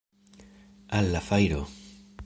Al la fajro!